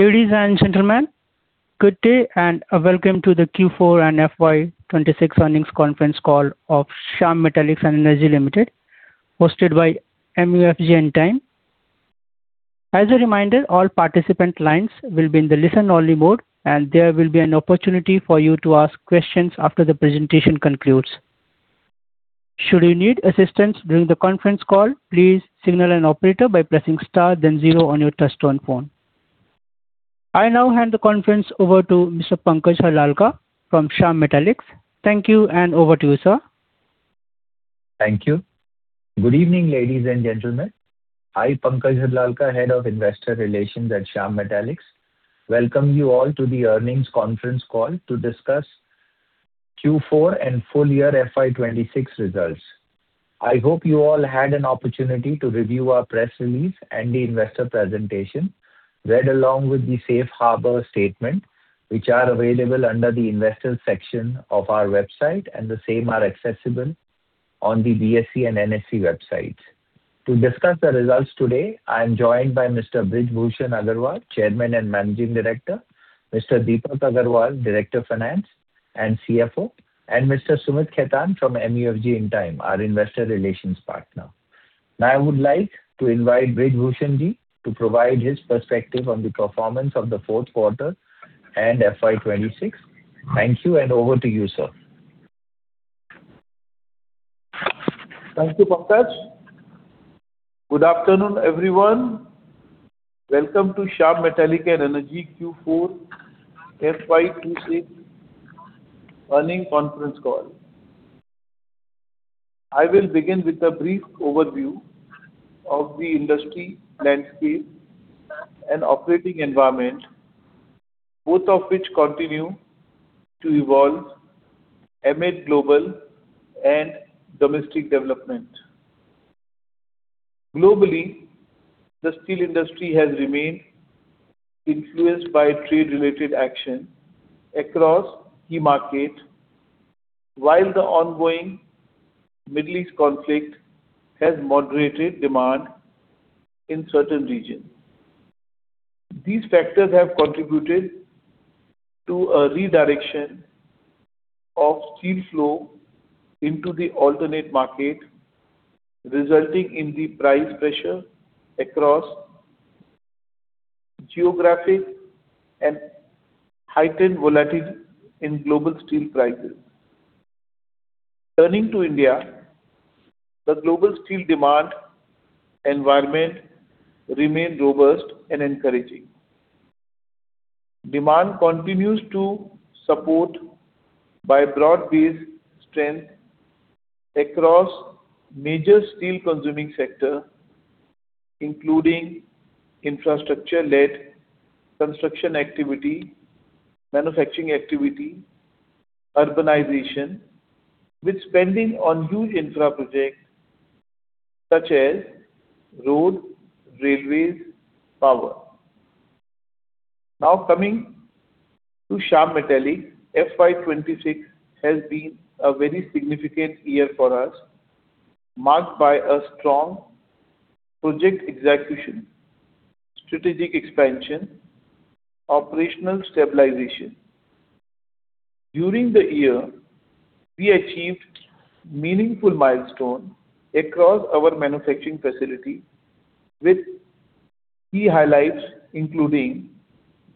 Ladies and gentlemen, good day, and welcome to the Q4 and FY 2026 earnings conference call of Shyam Metalics and Energy Limited, hosted by MUFG Intime. As a reminder, all participant lines will be in the listen only mode, and there will be an opportunity for you to ask questions after the presentation concludes. Should you need assistance during the conference call, please signal an operator by pressing star then zero on your touchtone phone. I now hand the conference over to Mr. Pankaj Harlalka from Shyam Metalics. Thank you, and over to you, sir. Thank you. Good evening, ladies and gentlemen. I, Pankaj Harlalka, Head of Investor Relations at Shyam Metalics, welcome you all to the earnings conference call to discuss Q4 and full year FY 2026 results. I hope you all had an opportunity to review our press release and the investor presentation, read along with the safe harbor statement, which are available under the investor section of our website, and the same are accessible on the BSE and NSE websites. To discuss the results today, I am joined by Mr. Brij Bhushan Agarwal, Chairman and Managing Director, Mr. Deepak Agarwal, Director of Finance and CFO, and Mr. Sumeet Khaitan from MUFG Intime, our investor relations partner. I would like to invite Brij Bhushan-ji to provide his perspective on the performance of the fourth quarter and FY 2026. Thank you, over to you, sir. Thank you, Pankaj. Good afternoon, everyone. Welcome to Shyam Metalics and Energy Q4 FY 2026 earnings conference call. I will begin with a brief overview of the industry landscape and operating environment, both of which continue to evolve amid global and domestic development. Globally, the steel industry has remained influenced by trade-related action across the market, while the ongoing Middle East conflict has moderated demand in certain regions. These factors have contributed to a redirection of steel flow into the alternate market, resulting in the price pressure across geographic and heightened volatility in global steel prices. Turning to India, the global steel demand environment remained robust and encouraging. Demand continues to support by broad-based strength across major steel consuming sector, including infrastructure-led construction activity, manufacturing activity, urbanization, with spending on huge infra projects such as road, railways, power. Coming to Shyam Metalics, FY 2026 has been a very significant year for us, marked by a strong project execution, strategic expansion, operational stabilization. During the year, we achieved meaningful milestone across our manufacturing facility, with key highlights including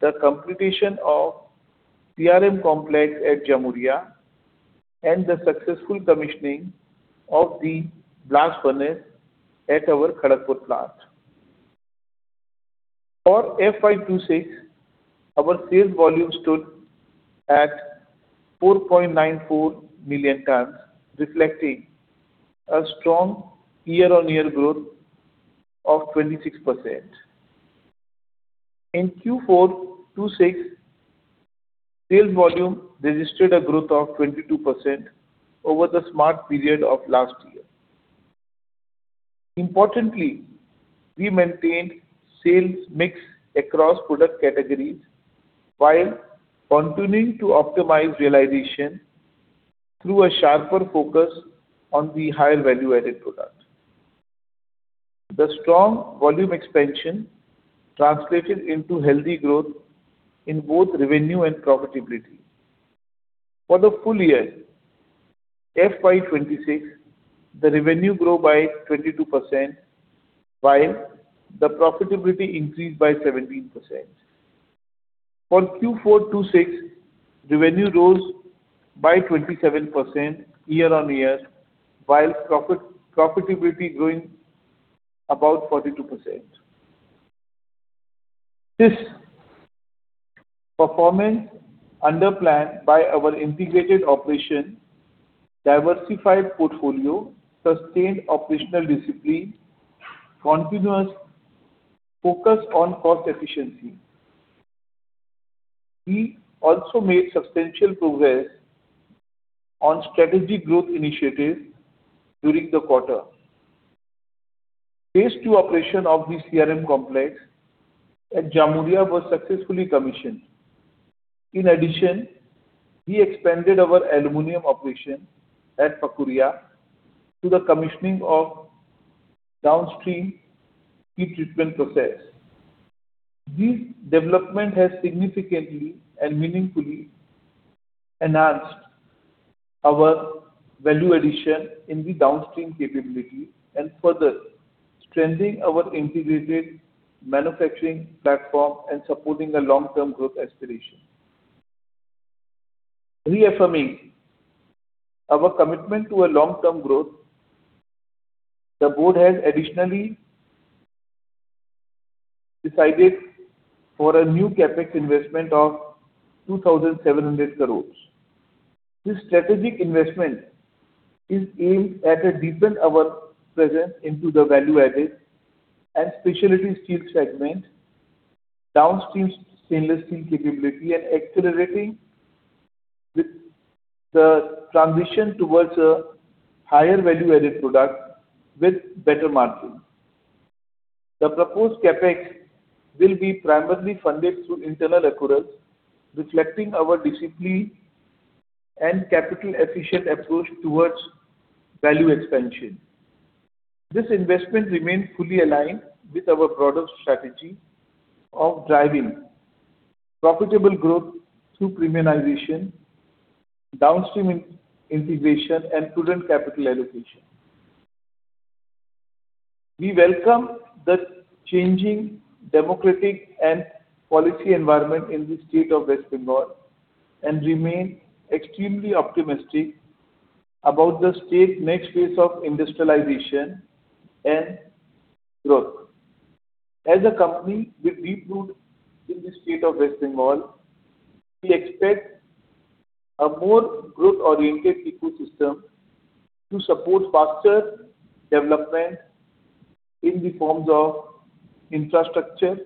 the completion of CRM complex at Jamuria and the successful commissioning of the blast furnace at our Kharagpur plant. For FY 2026, our sales volume stood at 4.94 million tons, reflecting a strong year-on-year growth of 26%. In Q4 2026, sales volume registered a growth of 22% over the same period of last year. Importantly, we maintained sales mix across product categories while continuing to optimize realization through a sharper focus on the higher value-added products. The strong volume expansion translated into healthy growth in both revenue and profitability. For the full year FY 2026, the revenue grow by 22%, while the profitability increased by 17%. For Q4 2026, revenue rose by 27% year-on-year, while profitability growing about 42%. This performance underpinned by our integrated operation, diversified portfolio, sustained operational discipline, continuous focus on cost efficiency. We also made substantial progress on strategy growth initiatives during the quarter. Phase II operation of the CRM complex at Jamuria was successfully commissioned. We expanded our aluminum operation at Pakuria through the commissioning of downstream heat treatment process. This development has significantly and meaningfully enhanced our value addition in the downstream capability and further strengthening our integrated manufacturing platform and supporting a long-term growth aspiration. Reaffirming our commitment to a long-term growth, the board has additionally decided for a new CapEx investment of 2,700 crores. This strategic investment is aimed at deepening our presence into the value-added and Specialty Steel segment, downstream stainless steel capability, and accelerating the transition towards a higher value-added product with better margins. The proposed CapEx will be primarily funded through internal accruals, reflecting our disciplined and capital-efficient approach towards value expansion. This investment remains fully aligned with our broader strategy of driving profitable growth through premiumization, downstream in-integration, and prudent capital allocation. We welcome the changing democratic and policy environment in the state of West Bengal and remain extremely optimistic about the state's next phase of industrialization and growth. As a company with deep roots in the state of West Bengal, we expect a more growth-oriented ecosystem to support faster development in the forms of infrastructure,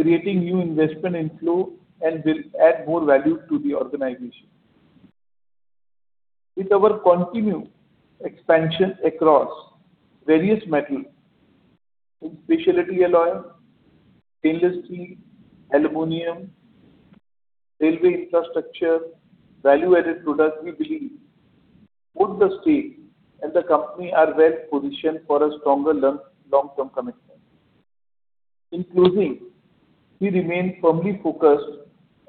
creating new investment inflow, and will add more value to the organization. With our continued expansion across various metals, in specialty alloy, stainless steel, aluminum, railway infrastructure, value-added products, we believe both the state and the company are well-positioned for a stronger long-term commitment. In closing, we remain firmly focused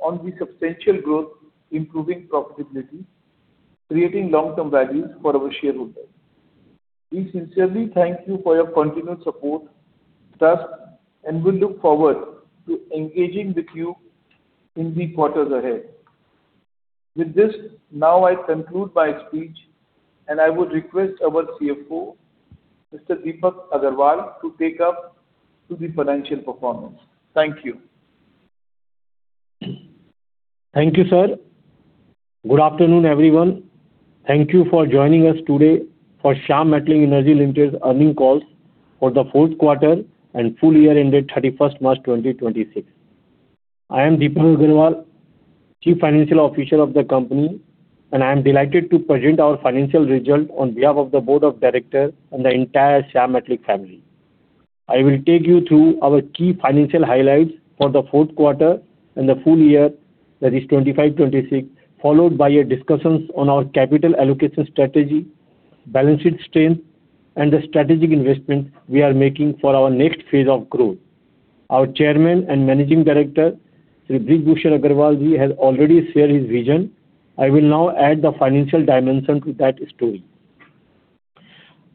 on the substantial growth, improving profitability, creating long-term value for our shareholders. We sincerely thank you for your continued support, trust, and we look forward to engaging with you in the quarters ahead. With this, now I conclude my speech, and I would request our CFO, Mr. Deepak Agarwal, to take up to the financial performance. Thank you. Thank you, sir. Good afternoon, everyone. Thank you for joining us today for Shyam Metalics and Energy Limited's earnings call for the fourth quarter and full year ended 31st March 2026. I am Deepak Agarwal, Chief Financial Officer of the company, and I am delighted to present our financial results on behalf of the Board of Directors and the entire Shyam Metalics family. I will take you through our key financial highlights for the fourth quarter and the full year, that is 2025/2026, followed by a discussion on our capital allocation strategy, balance sheet strength, and the strategic investments we are making for our next phase of growth. Our Chairman and Managing Director, Brij Bhushan Agarwal, has already shared his vision. I will now add the financial dimension to that story.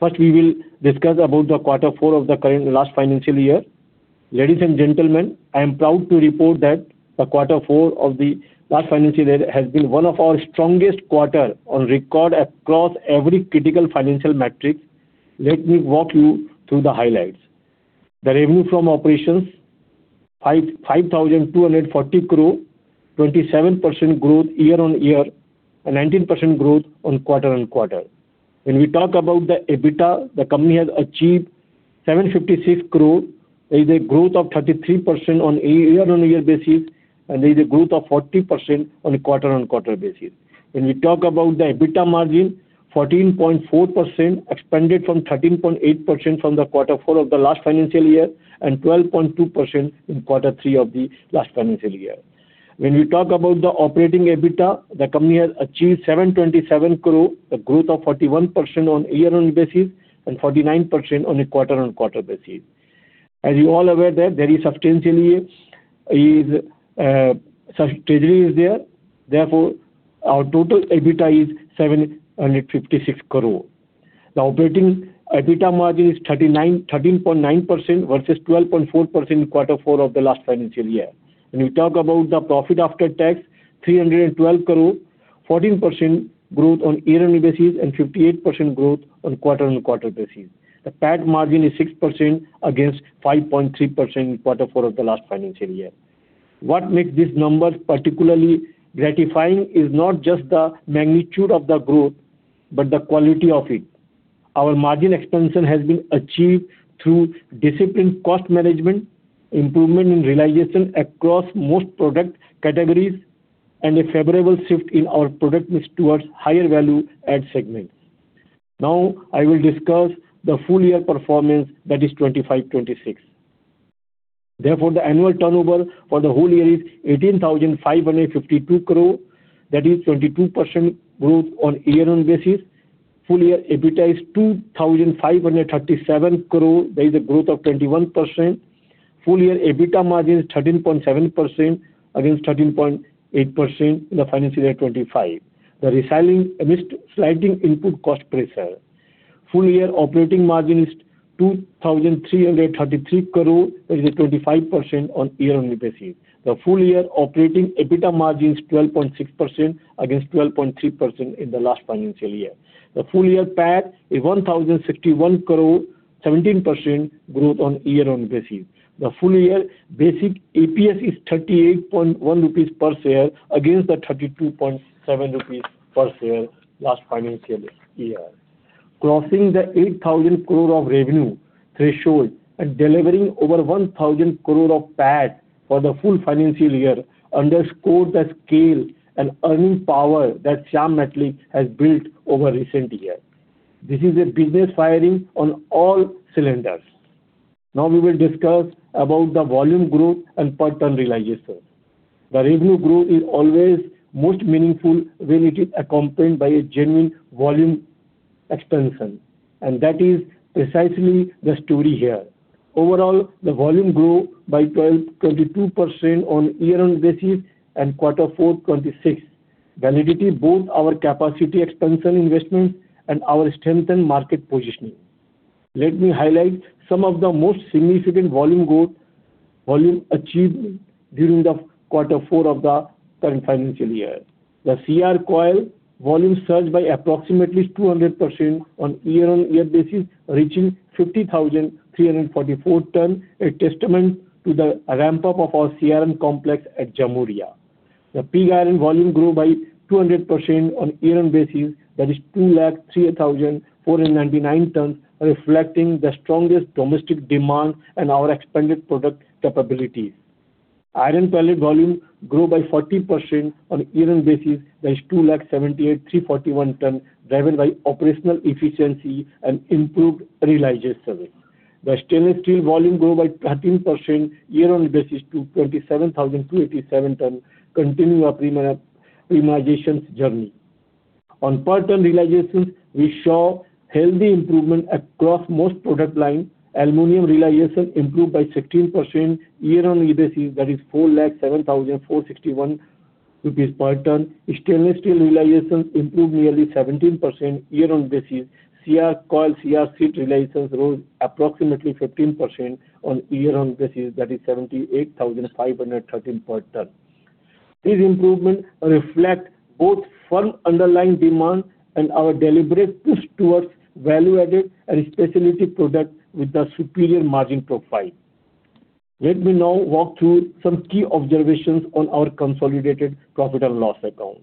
First, we will discuss about the quarter four of the current last financial year. Ladies and gentlemen, I am proud to report that the quarter four of the last financial year has been one of our strongest quarter on record across every critical financial metric. Let me walk you through the highlights. The revenue from operations, 5,240 crore, 27% growth year-on-year, and 19% growth quarter-on-quarter. When we talk about the EBITDA, the company has achieved 756 crore. There is a growth of 33% on a year-on-year basis, and there is a growth of 40% on a quarter-on-quarter basis. When we talk about the EBITDA margin, 14.4% expanded from 13.8% from the quarter four of the last financial year and 12.2% in quarter three of the last financial year. When we talk about the operating EBITDA, the company has achieved 727 crore, a growth of 41% on year-on-year basis and 49% on a quarter-on-quarter basis. As you all are aware that there is substantially is treasury is there. Therefore, our total EBITDA is 756 crore. The operating EBITDA margin is 13.9% versus 12.4% in Q4 of the last financial year. When we talk about the profit after tax, 312 crore, 14% growth on year-on-year basis and 58% growth on quarter-on-quarter basis. The PAT margin is 6% against 5.3% in Q4 of the last financial year. What makes these numbers particularly gratifying is not just the magnitude of the growth, but the quality of it. Our margin expansion has been achieved through disciplined cost management, improvement in realization across most product categories, and a favorable shift in our product mix towards higher value-add segment. Now I will discuss the full year performance that is 2025-2026. Therefore, the annual turnover for the whole year is 18,552 crore. That is 22% growth on year-on-year basis. Full year EBITDA is 2,537 crore. That is a growth of 21%. Full year EBITDA margin is 13.7% against 13.8% in the financial year 2025, resulting amidst sliding input cost pressure. Full year operating margin is 2,333 crore. That is a 25% on year-on-year basis. The full year operating EBITDA margin is 12.6% against 12.3% in the last financial year. The full year PAT is 1,061 crore, 17% growth on year-over-year basis. The full year basic EPS is 38.1 rupees per share against 32.7 rupees per share last financial year. Crossing the 8,000 crore of revenue threshold and delivering over 1,000 crore of PAT for the full financial year underscores the scale and earning power that Shyam Metalics has built over recent years. This is a business firing on all cylinders. Now we will discuss about the volume growth and part ton realization. The revenue growth is always most meaningful when it is accompanied by a genuine volume expansion, and that is precisely the story here. Overall, the volume grew by 22% on year-over-year basis and quarter four 2026, validating both our capacity expansion investment and our strengthened market positioning. Let me highlight some of the most significant volume achieved during the quarter four of the current financial year. The CR Coil volume surged by approximately 200% on a year-on-year basis, reaching 50,344 tons, a testament to the ramp-up of our CRM complex at Jamuria. The Pig Iron volume grew by 200% on a year-on-year basis. That is 500,499 tons, reflecting the strongest domestic demand and our expanded product capabilities. Iron Pellet volume grew by 40% on a year-on-year basis. That is 278,341 tons, driven by operational efficiency and improved realization. The Stainless Steel volume grew by 13% year-on-year basis to 27,287 tons, continuing our premiumization journey. On per ton realization, we saw healthy improvement across most product lines. Aluminum realization improved by 16% year-on-year basis, that is 407,461 rupees per ton. Stainless Steel realization improved nearly 17% year-on-year basis. CR Coil, CR Sheet realization rose approximately 15% on year-on-year basis, that is 78,513 per ton. These improvements reflect both firm underlying demand and our deliberate push towards value-added and specialty products with a superior margin profile. Let me now walk through some key observations on our consolidated profit and loss account.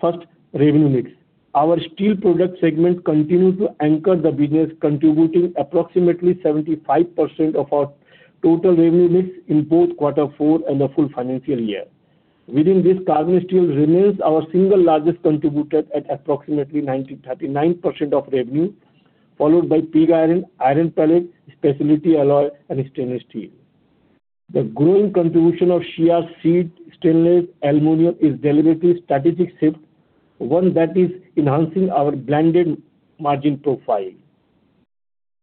First, revenue mix. Our Steel product segment continues to anchor the business, contributing approximately 75% of our total revenue mix in both quarter four and the full financial year. Within this, Carbon Steel remains our single largest contributor at approximately 39% of revenue, followed by Pig Iron, Iron Pellet, Specialty Alloy and Stainless Steel. The growing contribution of sheets, steel, stainless, aluminum is deliberately strategic shift, one that is enhancing our blended margin profile.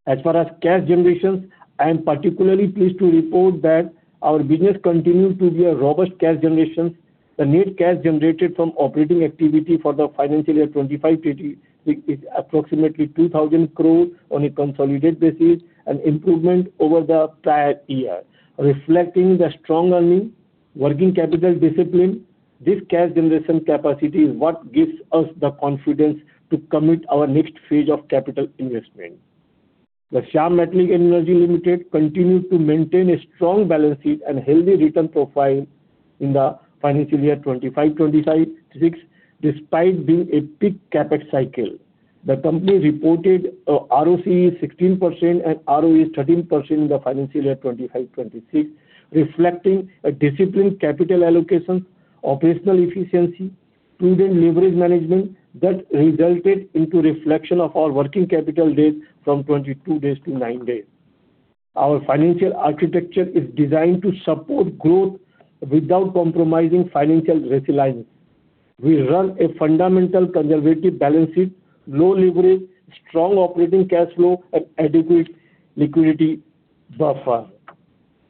As far as cash generation, I am particularly pleased to report that our business continues to be robust cash generation. The net cash generated from operating activities for the financial year 2025 is approximately 2,000 crore on a consolidated basis, an improvement over the prior year, reflecting the strong earnings, working capital discipline. This cash generation capacity is what gives us the confidence to commit our next phase of capital investment. The Shyam Metalics and Energy Limited continues to maintain a strong balance sheet and healthy return profile in the financial year 2025-2026, despite being a peak CapEx cycle. The company reported ROCE 16% and ROE 13% in the financial year 2025/2026, reflecting a disciplined capital allocation, operational efficiency, prudent leverage management that resulted into reflection of our working capital days from 22 days to nine days. Our financial architecture is designed to support growth without compromising financial resilience. We run a fundamental conservative balance sheet, low leverage, strong operating cash flow and adequate liquidity buffer.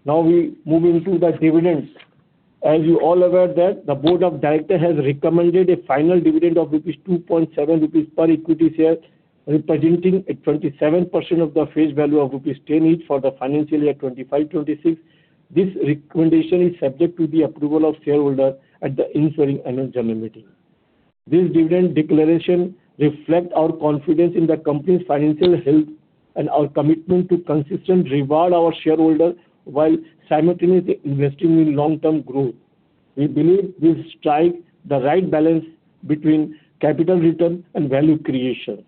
We move into the dividends. As you all aware that the Board of Director has recommended a final dividend of 2.7 rupees per equity share, representing a 27% of the face value of rupees 10 each for the financial year 2025/2026. This recommendation is subject to the approval of shareholder at the ensuing Annual General Meeting. This dividend declaration reflects our confidence in the company's financial health and our commitment to consistently reward our shareholders while simultaneously investing in long-term growth. We believe we strike the right balance between capital return and value creation.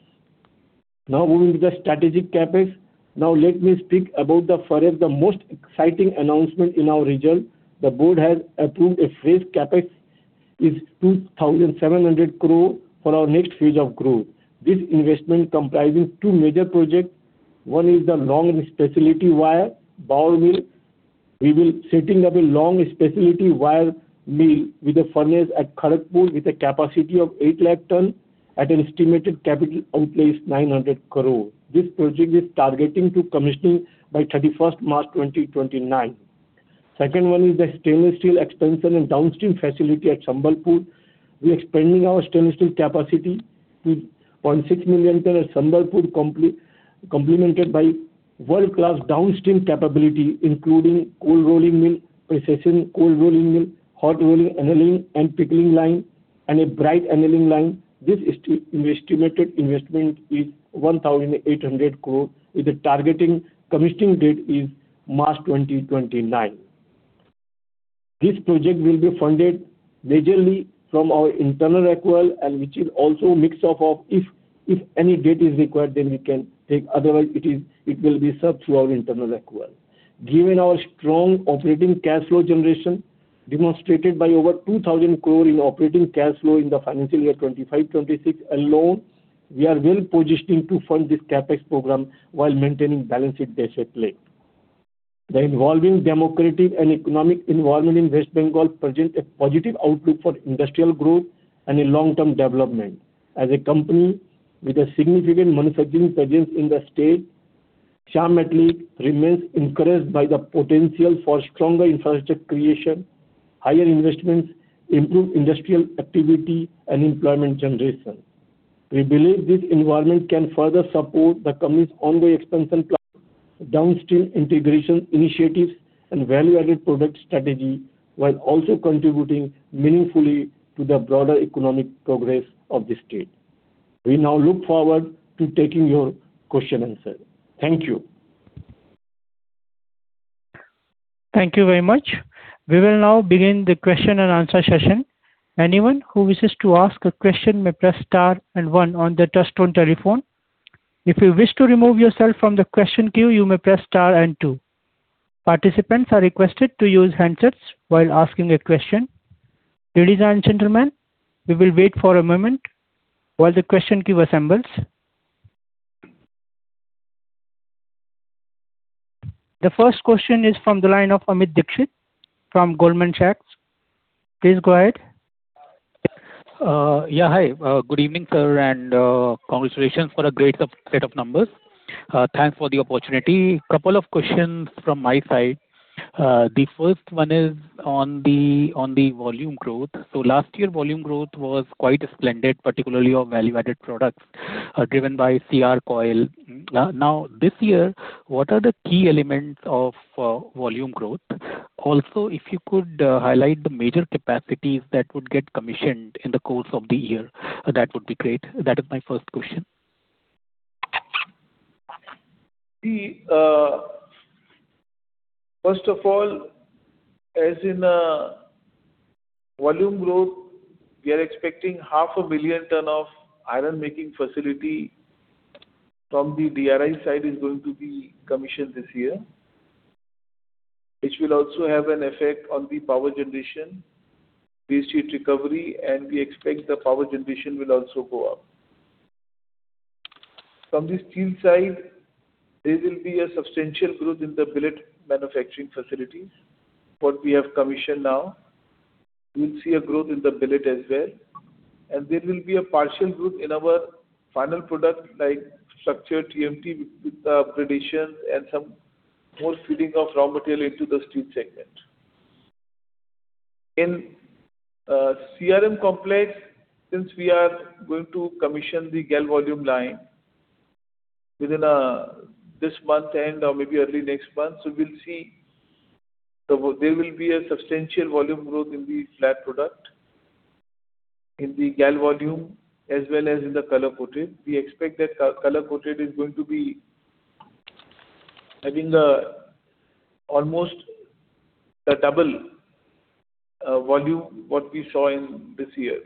Moving to the strategic CapEx. Let me speak about the perhaps the most exciting announcement in our results. The Board has approved a phased CapEx is 2,700 crore for our next phase of growth. This investment comprises two major projects. One is the long specialty wire bar mill. We will be setting up a long specialty wire mill with a furnace at Kharagpur with a capacity of 8 lakh ton at an estimated capital outlay of 900 crore. This project is targeting commissioning by 31st March, 2029. Second one is the stainless steel expansion and downstream facility at Sambalpur. We are expanding our stainless steel capacity to 0.6 million ton at Sambalpur, complemented by world-class downstream capability, including Cold Rolling Mill, Precision Cold Rolling Mill, Hot Rolled Annealing & Pickling Line, and a Bright Annealing Line. This estimated investment is 1,800 crore, with a targeting commissioning date of March 2029. This project will be funded majorly from our internal accrual and which is also a mix of, if any debt is required, then we can take. Otherwise, it will be served through our internal accrual. Given our strong operating cash flow generation demonstrated by over 2,000 crore in operating cash flow in the financial year 2025, 2026 alone, we are well-positioned to fund this CapEx program while maintaining balance sheet discipline. The evolving democratic and economic environment in West Bengal presents a positive outlook for industrial growth and a long-term development. As a company with a significant manufacturing presence in the state, Shyam Metalics remains encouraged by the potential for stronger infrastructure creation, higher investments, improved industrial activity, and employment generation. We believe this environment can further support the company's ongoing expansion plan, downstream integration initiatives, and value-added product strategy, while also contributing meaningfully to the broader economic progress of the state. We now look forward to taking your question-and-answer. Thank you. Thank you very much. We will now begin the question-and-answer session. Anyone who wishes to ask a question may press star and one on their touch-tone telephone. If you wish to remove yourself from the question queue, you my press tar and two. Participants are requested to use handsets while asking a question. Ladies and gentleman, we will for a moment while the question queue assembles. The first question is from the line of Amit Dixit from Goldman Sachs. Please go ahead. Yeah. Hi. Good evening, sir, congratulations for a great set of numbers. Thanks for the opportunity. Couple of questions from my side. The first one is on the volume growth. Last year, volume growth was quite splendid, particularly your value-added products, driven by CR Coil. Now this year, what are the key elements of volume growth? Also, if you could highlight the major capacities that would get commissioned in the course of the year, that would be great. That is my first question. First of all, as in volume growth, we are expecting 500,000 ton of iron making facility from the DRI side is going to be commissioned this year, which will also have an effect on the power generation, waste heat recovery, and we expect the power generation will also go up. From the Steel side, there will be a substantial growth in the billet manufacturing facilities. What we have commissioned now, we'll see a growth in the billet as well, and there will be a partial growth in our final product like structured TMT with the upgradation and some more feeding of raw material into the Steel segment. In CRM complex, since we are going to commission the Galvalume line within this month end or maybe early next month. We'll see there will be a substantial volume growth in the flat product, in the Galvalume, as well as in the color-coated. We expect that color-coated is going to be having almost the double volume what we saw in this year,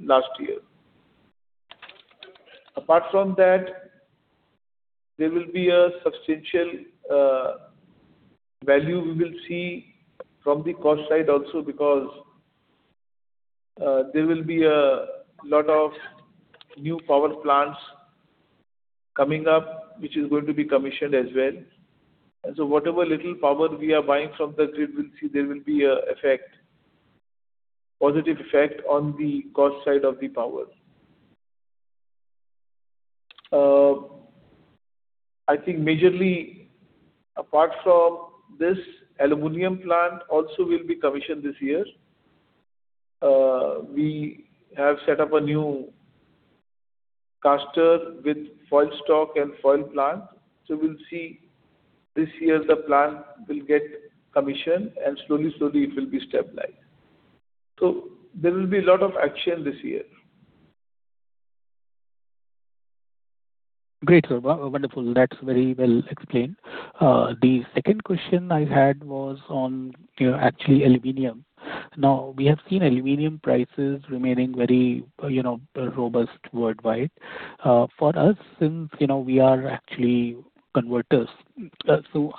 last year. Apart from that, there will be a substantial value we will see from the cost side also because there will be a lot of new power plants coming up, which is going to be commissioned as well. Whatever little power we are buying from the grid, we'll see there will be a positive effect on the cost side of the power. I think majorly, apart from this, aluminum plant also will be commissioned this year. We have set up a new caster with foil stock and foil plant. We'll see this year the plant will get commissioned, and slowly it will be stabilized. There will be a lot of action this year. Great, sir. Wonderful. That's very well explained. The second question I had was on, you know, actually aluminum. Now, we have seen aluminum prices remaining very, you know, robust worldwide. For us, since, you know, we are actually converters,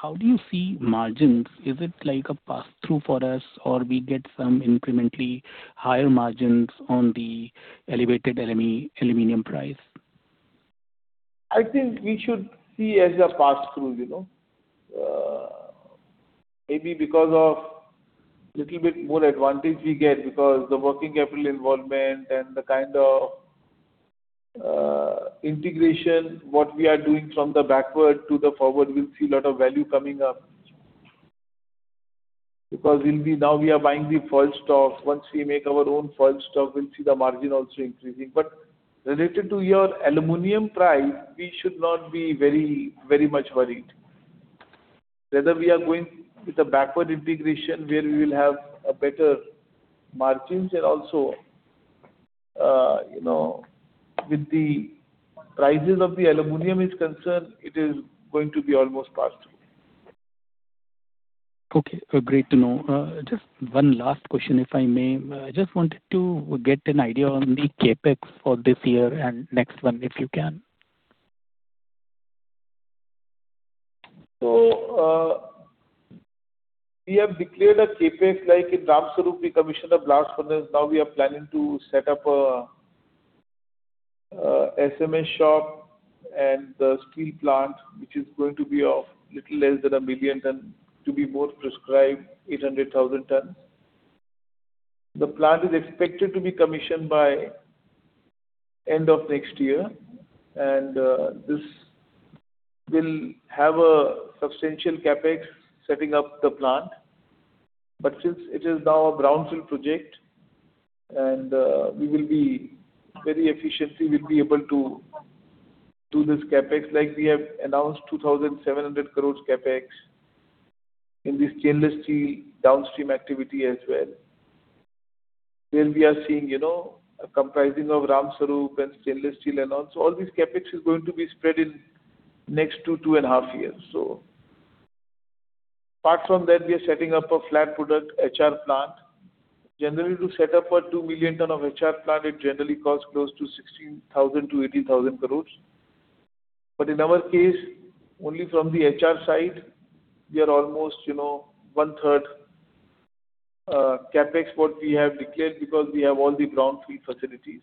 how do you see margins? Is it like a passthrough for us or we get some incrementally higher margins on the elevated aluminum price? I think we should see as a pass-through, you know. Maybe because of little bit more advantage we get because the working capital involvement and the kind of integration, what we are doing from the backward to the forward, we'll see a lot of value coming up. Now we are buying the foil stock. Once we make our own foil stock, we'll see the margin also increasing. Related to your aluminum price, we should not be very, very much worried. Whether we are going with a backward integration where we will have a better margins and also, you know, with the prices of the aluminum is concerned, it is going to be almost pass-through. Okay. Great to know. Just one last question, if I may. I just wanted to get an idea on the CapEx for this year and next one, if you can. We have declared a CapEx, like in Ramsarup, we commissioned a blast furnace. Now we are planning to set up a SMS shop and the steel plant, which is going to be of little less than 1 million ton to be both prescribed 800,000 tons. The plant is expected to be commissioned by end of next year, this will have a substantial CapEx setting up the plant. Since it is now a brownfield project, we will be very efficiently we'll be able to do this CapEx. Like we have announced 2,700 crores CapEx in this stainless steel downstream activity as well. Where we are seeing, you know, comprising of Ramsarup and stainless steel and all. All this CapEx is going to be spread in next two and a half years. Apart from that, we are setting up a flat product HR plant. To set up a 2 million ton of HR plant, it generally costs close to 16,000 crore-18,000 crore. In our case, only from the HR side, we are almost, you know, 1/3 CapEx what we have declared because we have all the brownfield facilities.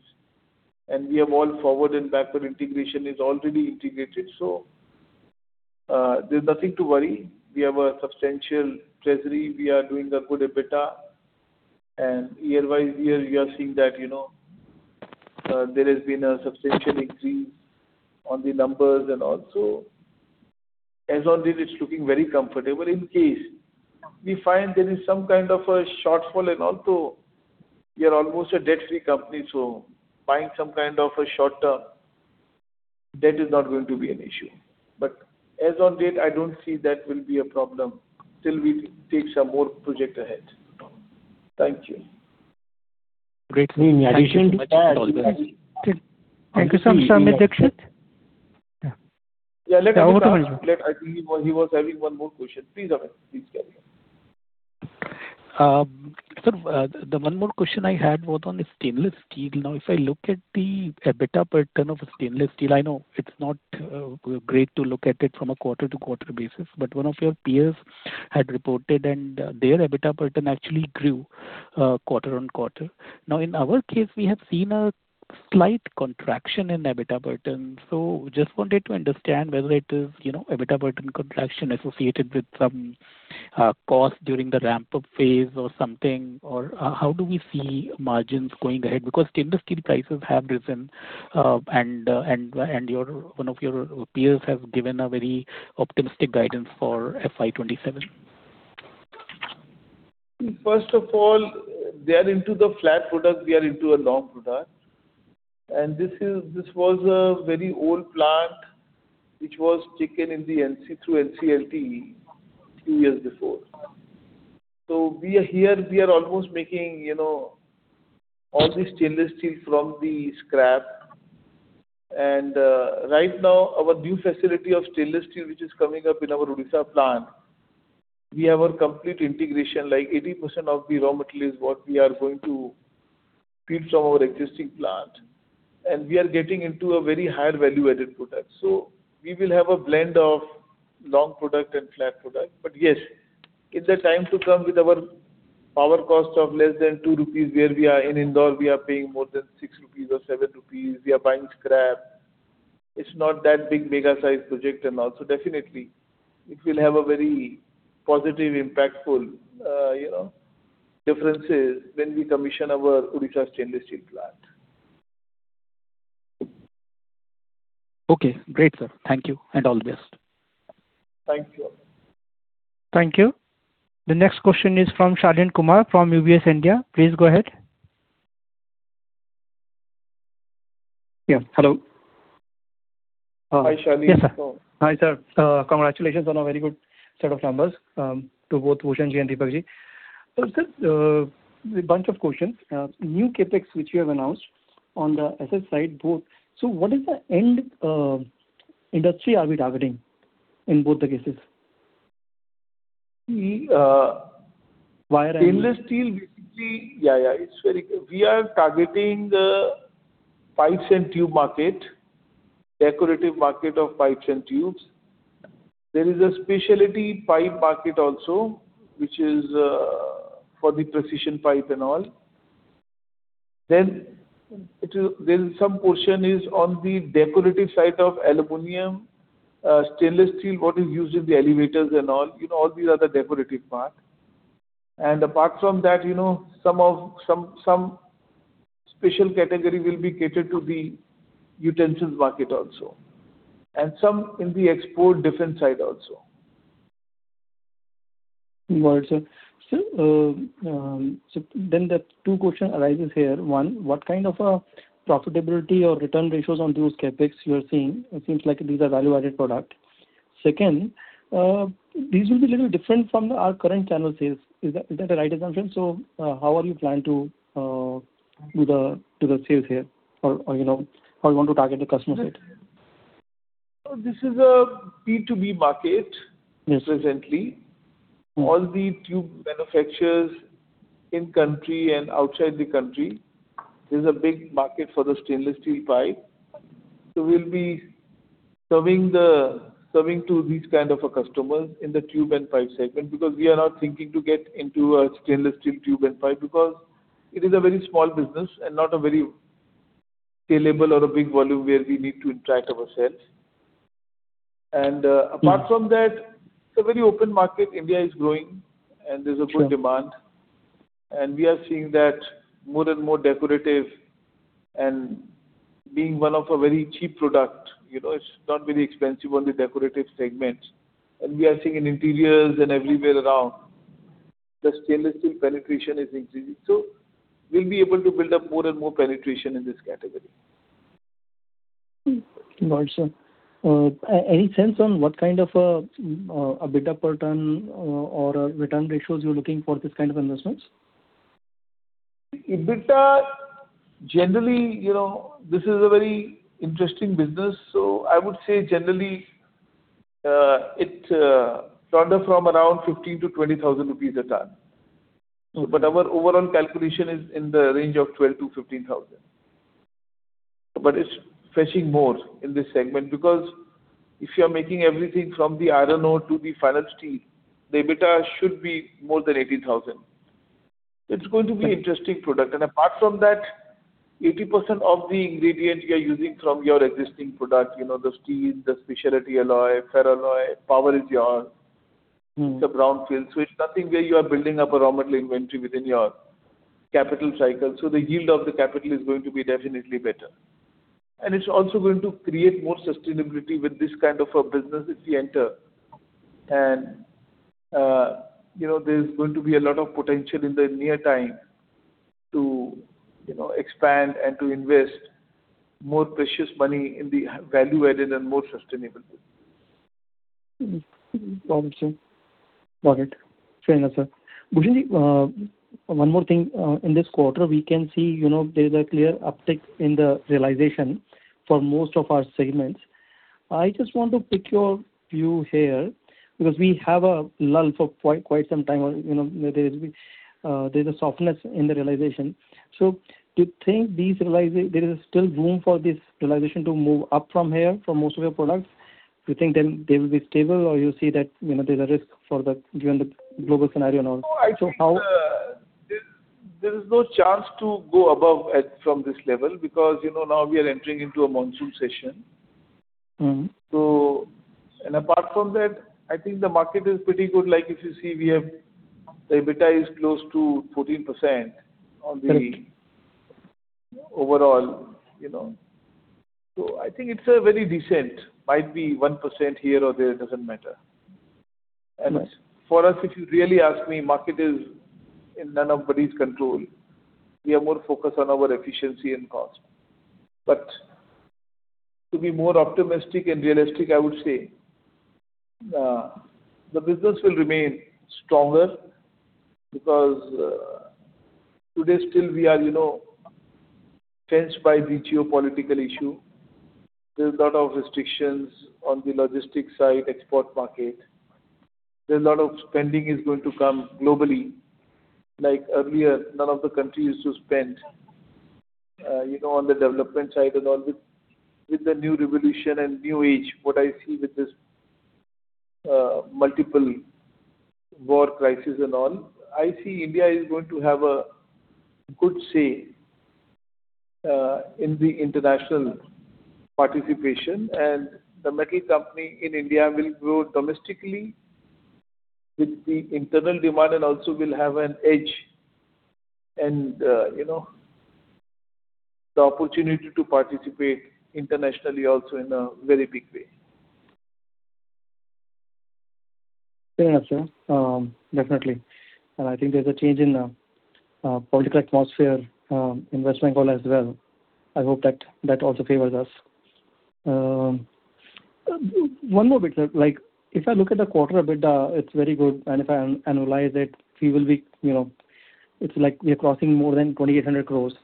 We have all forward and backward integration is already integrated. There's nothing to worry. We have a substantial treasury. We are doing a good EBITDA. Year by year we are seeing that, you know, there has been a substantial increase on the numbers and all. As on date it's looking very comfortable. In case we find there is some kind of a shortfall and all too, we are almost a debt-free company, so finding some kind of a short-term debt is not going to be an issue. As on date, I don't see that will be a problem till we take some more project ahead. Thank you. Great to hear. Thank you, sir. Amit Dixit. Yeah, let him ask. I think he was having one more question. Please Amit, please carry on. The one more question I had was on the stainless steel. Now, if I look at the EBITDA per ton of stainless steel, I know it's not great to look at it from a quarter-on-quarter basis, but one of your peers had reported and their EBITDA per ton actually grew quarter-on-quarter. Now, in our case, we have seen a slight contraction in EBITDA per ton. Just wanted to understand whether it is, you know, EBITDA per ton contraction associated with some cost during the ramp-up phase or something, or how do we see margins going ahead? Because stainless steel prices have risen, and one of your peers have given a very optimistic guidance for FY 2027. First of all, they are into the flat product, we are into a long product. This was a very old plant which was taken in the NCLT through NCLT few years before. We are here, we are almost making, you know, all the stainless steel from the scrap. Right now our new facility of stainless steel which is coming up in our Odisha plant, we have a complete integration, like 80% of the raw material is what we are going to feed from our existing plant. We are getting into a very higher value-added product. We will have a blend of long product and flat product. Yes, it's a time to come with our power cost of less than 2 rupees where we are in Indore, we are paying more than 6 rupees or 7 rupees. We are buying scrap. It's not that big mega-sized project and all. Definitely it will have a very positive impactful, you know, differences when we commission our Odisha stainless steel plant. Okay. Great, sir. Thank you and all the best. Thank you. Thank you. The next question is from Shaleen Kumar from UBS India. Please go ahead. Yeah, hello. Hi, Shaleen. Yes, sir. Hi, sir. Congratulations on a very good set of numbers to both Bhushan Ji and Deepak Ji. Sir, a bunch of questions. The new CapEx which you have announced on the asset side both. What is the end industry are we targeting in both the cases? The, uh— Wire and- —stainless steel basically. Yeah, yeah, we are targeting the pipes and tube market, decorative market of pipes and tubes. There is a specialty pipe market also, which is for the precision pipe and all. Some portion is on the decorative side of aluminum, stainless steel, what is used in the elevators and all. You know, all these are the decorative part. Apart from that, you know, some special category will be catered to the utensils market also, and some in the export different side also. Got it, sir. The two question arises here. one, what kind of a profitability or return ratios on those CapEx you are seeing? It seems like these are value-added product. Second, these will be little different from the our current channel sales. Is that the right assumption? How are you planning to do the sales here or, you know, how you want to target the customer set? This is a B2B market— Yes, sir. —presently. All the tube manufacturers in country and outside the country, there's a big market for the stainless steel pipe. We'll be serving to these kind of a customers in the Tube and Pipe segment because we are not thinking to get into a stainless steel tube and pipe because it is a very small business and not a very scalable or a big volume where we need to attract ourselves. Apart from that, it's a very open market. India is growing and there's a good demand. We are seeing that more and more decorative and being one of a very cheap product, you know, it's not very expensive on the decorative segment. We are seeing in interiors and everywhere around, the stainless steel penetration is increasing. We'll be able to build up more and more penetration in this category. Got it, sir. Any sense on what kind of a EBITDA per ton, or a return ratios you're looking for this kind of investments? EBITDA, generally, you know, this is a very interesting business. I would say generally, it, flounder from around 15,000-20,000 rupees of EBITDA. Our overall calculation is in the range of 12,000-15,000. It's fetching more in this segment because if you are making everything from the iron ore to the final steel, the EBITDA should be more than 80,000. It's going to be interesting product. Apart from that, 80% of the ingredient you are using from your existing product, you know, the steel, the specialty alloy, ferro alloy, power is yours. It's a brownfield. It's nothing where you are building up a raw material inventory within your capital cycle. The yield of the capital is going to be definitely better. It's also going to create more sustainability with this kind of a business if we enter. You know, there's going to be a lot of potential in the near time to, you know, expand and to invest more precious money in the value added and more sustainable. Got it, sir. Got it. Fair enough, sir. Bhushan ji, one more thing. In this quarter, we can see, you know, there is a clear uptick in the realization for most of our segments. I just want to pick your view here because we have a lull for quite some time or, you know, there's been a softness in the realization. Do you think there is still room for this realization to move up from here for most of your products? Do you think then they will be stable or you see that, you know, there's a risk for the given the global scenario and all? How. No, I think, there is no chance to go above at from this level because, you know, now we are entering into a Monsoon Session. Apart from that, I think the market is pretty good. We have the EBITDA is close to 14%. Overall, you know. I think it's a very decent. Might be 1% here or there, it doesn't matter. For us, if you really ask me, market is in nobody's control. We are more focused on our efficiency and cost. To be more optimistic and realistic, I would say, the business will remain stronger because today still we are, you know, fenced by the geopolitical issue. There's lot of restrictions on the logistics side, export market. There's a lot of spending is going to come globally. Earlier, none of the countries used to spend, you know, on the development side and all. With the new revolution and new age, what I see with this multiple war crisis and all, I see India is going to have a good say, in the international participation. The metal company in India will grow domestically with the internal demand and also will have an edge and, you know, the opportunity to participate internationally also in a very big way. Fair enough, sir. Definitely. I think there's a change in political atmosphere in West Bengal as well. I hope that that also favors us. One more bit, sir. Like if I look at the quarter EBITDA, it's very good. If I analyze it, we will be, you know, it's like we are crossing more than 2,800 crores.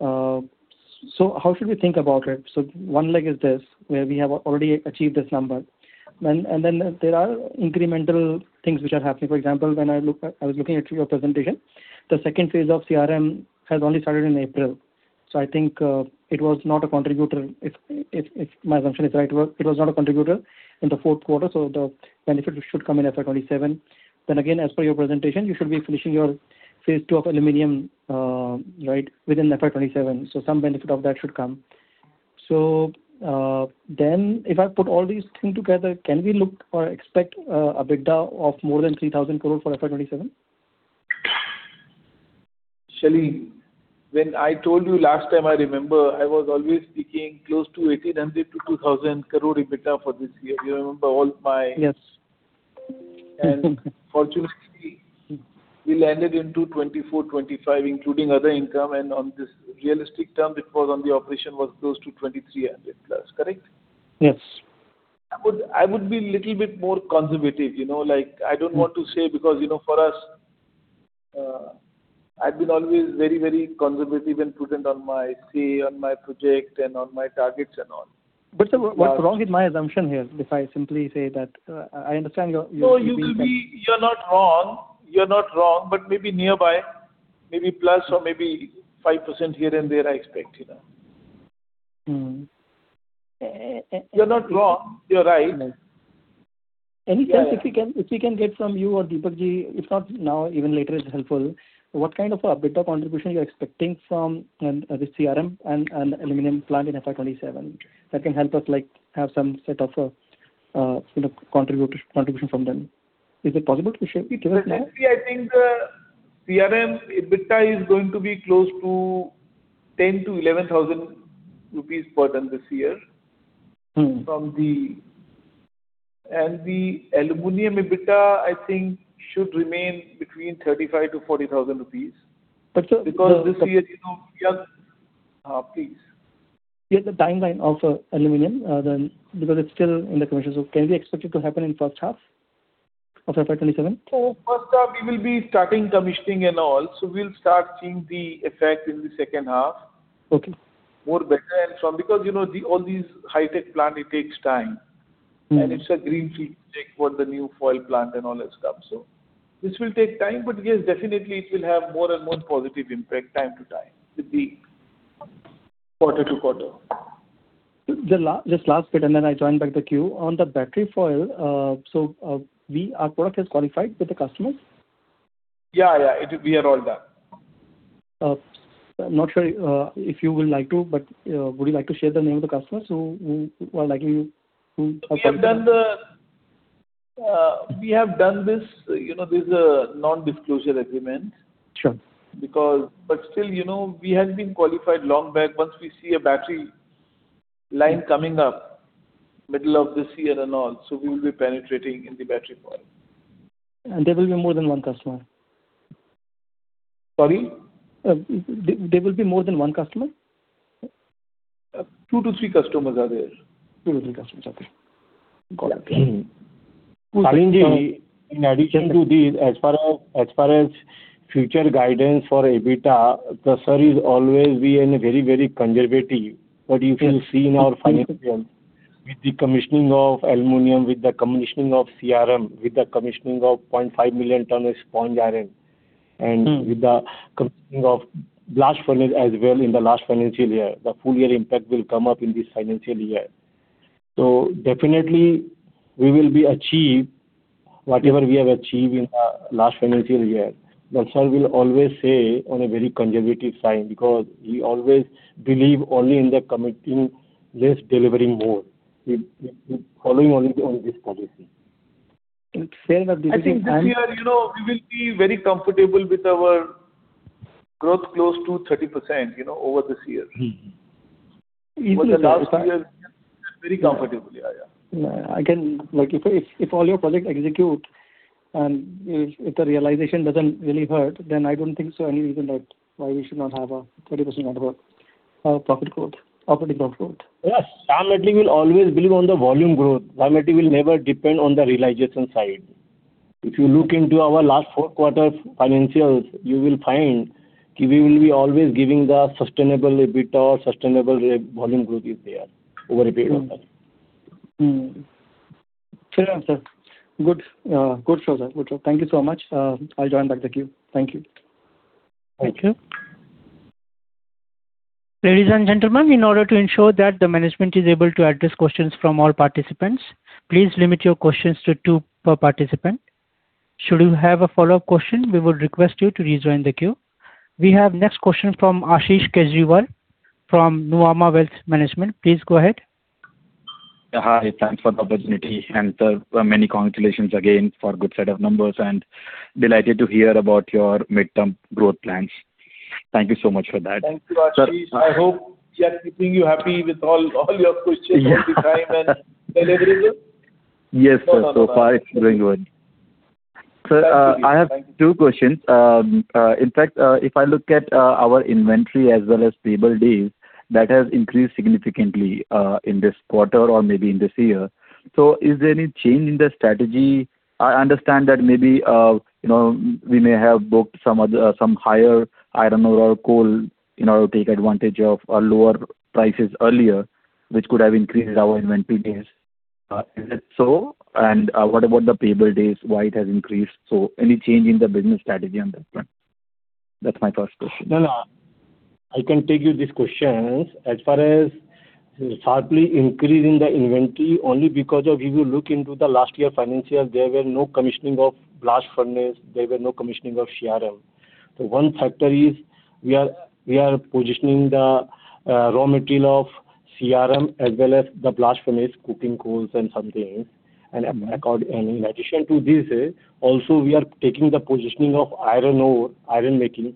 How should we think about it? One leg is this, where we have already achieved this number. There are incremental things which are happening. For example, when I was looking at your presentation. The second phase of CRM has only started in April. I think it was not a contributor. If my assumption is right, it was not a contributor in the fourth quarter, so the benefit should come in FY 2027. As per your presentation, you should be finishing your Phase II of aluminum, right, within FY 2027. Some benefit of that should come. If I put all these things together, can we look or expect a EBITDA of more than 3,000 crore for FY 2027? Shaleen, when I told you last time I remember, I was always speaking close to 1,800 crore-2,000 crore rupee EBITDA for this year. Yes. Fortunately, we landed into 2,400, 2,500, including other income. On this realistic term, it was on the operation was close to 2,300 plus, correct? Yes. I would be little bit more conservative, you know. Like, I don't want to say because, you know, for us, I've been always very conservative and prudent on my say, on my project and on my targets and all. Sir, what's wrong with my assumption here if I simply say that, I understand your— No, you're not wrong, but maybe nearby, maybe plus or maybe 5% here and there, I expect, you know. You're not wrong. You're right. Any chance if we can, if we can get from you or Deepakji, if not now, even later is helpful, what kind of a EBITDA contribution you're expecting from this CRM and aluminum plant in FY 2027 that can help us, like, have some set of, you know, contribution from them. Is it possible to share with us now? Definitely, I think, CRM EBITDA is going to be close to 10,000-11,000 rupees per ton this year. The aluminum EBITDA, I think should remain between 35,000-40,000 rupees. But sir— This year, you know, please. The timeline of aluminum, because it's still in the commission, can we expect it to happen in first half of FY 2027? First half we will be starting commissioning and all, so we'll start seeing the effect in the second half. Okay. More better from—because, you know, the, all these high-tech plant, it takes time. It's a greenfield project for the new foil plant and all that stuff. This will take time, but yes, definitely it will have more and more positive impact time to time, with the quarter to quarter. Just last bit. Then I join back the queue. On the Battery Foil, our product has qualified with the customers? Yeah, yeah. We are all done. I'm not sure if you will like to, but would you like to share the name of the customers? We have done this, you know, there's a non-disclosure agreement. Sure. Still, you know, we had been qualified long back. Once we see a battery line coming up, middle of this year and all, we will be penetrating in the Battery Foil. There will be more than one customer? Sorry? There will be more than one customer? Two to three customers are there. Two to three customers are there. Got it. Shaleen-ji, in addition to this, as far as future guidance for EBITDA, the sir is always be in a very conservative. You can see in our financial with the commissioning of aluminum, with the commissioning of CRM, with the commissioning of 0.5 million tons of sponge iron with the commissioning of blast furnace as well in the last financial year. The full year impact will come up in this financial year. definitely we will be achieve whatever we have achieved in last financial year. sir will always say on a very conservative side because he always believe only in the committing less, delivering more. We following only this policy. Fair enough. Do we have time? I think this year, you know, we will be very comfortable with our growth close to 30%, you know, over this year. Over the last two years, very comfortably. Yeah, yeah. Yeah. I can, like if all your project execute if the realization doesn't really hurt, I don't think so any reason that why we should not have a 30% net profit growth, operating profit growth. Yes. Shyam will always believe on the volume growth. Shyam will never depend on the realization side. If you look into our last four quarter financials, you will find we will be always giving the sustainable EBITDA, sustainable volume growth is there over a period of time. Fair answer. Good sir. Thank you so much. I'll join back the queue. Thank you. Thank you. Ladies and gentlemen, in order to ensure that the management is able to address questions from all participants, please limit your questions to two per participant. Should you have a follow-up question, we would request you to rejoin the queue. We have next question from Ashish Kejriwal from Nuvama Wealth Management. Please go ahead. Hi. Thanks for the opportunity and, sir, many congratulations again for good set of numbers and delighted to hear about your midterm growth plans. Thank you so much for that. Thank you, Ashish. I hope we are keeping you happy with all your questions all the time and delivering it. Yes, sir. So far it's going good. Sir, I have two questions. In fact, if I look at our inventory as well as payable days, that has increased significantly in this quarter or maybe in this year. Is there any change in the strategy? I understand that maybe, you know, we may have booked some other, some higher iron ore or coal in order to take advantage of lower prices earlier, which could have increased our inventory days. Is it so? What about the payable days, why it has increased? Any change in the business strategy on that front? That's my first question. No, no. I can take you these questions. As far as sharply increasing the inventory, only because of if you look into the last year financials, there were no commissioning of blast furnace, there were no commissioning of CRM. One factor is we are positioning the raw material of CRM as well as the blast furnace coking coals and something else. In addition to this, also we are taking the positioning of iron ore, iron making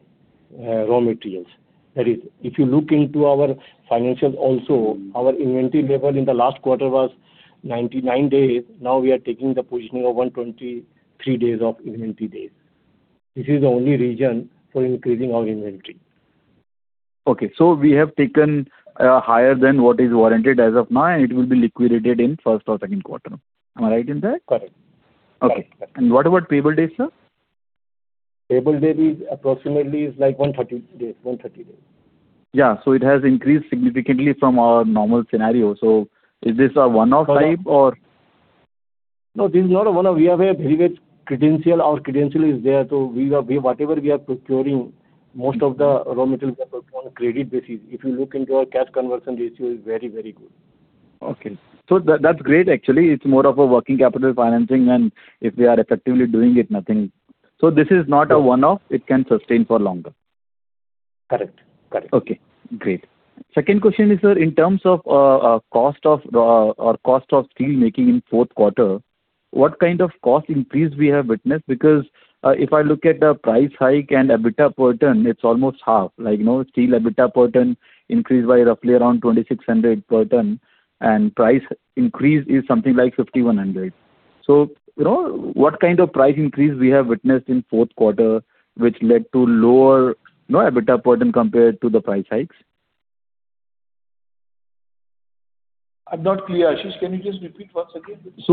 raw materials. That is if you look into our financials also, our inventory level in the last quarter was 99 days. Now we are taking the positioning of 123 days of inventory days. This is the only reason for increasing our inventory. Okay. We have taken higher than what is warranted as of now, and it will be liquidated in first or second quarter. Am I right in saying? Correct. Okay. Correct. What about payable days, sir? Payable day is approximately like 130 days, 130. Yeah. It has increased significantly from our normal scenario. Is this a one-off type? No, this is not a one-off. We have a very great credential. Our credential is there. We whatever we are procuring, most of the raw materials are purchased on a credit basis. If you look into our cash conversion ratio is very, very good. Okay. That's great actually. It's more of a working capital financing and if we are effectively doing it, nothing. This is not a one-off, it can sustain for longer. Correct. Correct. Okay, great. Second question is, sir, in terms of cost of or cost of steel making in fourth quarter, what kind of cost increase we have witnessed? If I look at the price hike and EBITDA per ton, it's almost half. Like, you know, steel EBITDA per ton increased by roughly around 2,600 per ton and price increase is something like 5,100. You know, what kind of price increase we have witnessed in fourth quarter which led to lower, you know, EBITDA per ton compared to the price hikes? I'm not clear, Ashish. Can you just repeat once again, please?